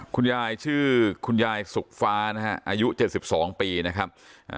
คุณยายชื่อคุณยายสุขฟ้านะฮะอายุเจ็ดสิบสองปีนะครับ